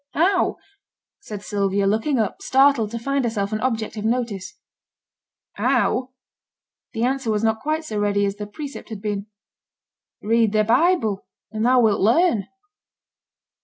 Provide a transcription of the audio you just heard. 'How?' said Sylvia, looking up, startled to find herself an object of notice. 'How?' (The answer was not quite so ready as the precept had been.) 'Read thy Bible, and thou wilt learn.'